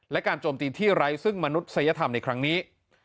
และการโจมตีที่ไร้ซึ่งมนุษยธรรมในครั้งนี้